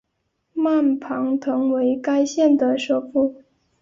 曼庞滕为该县的首府。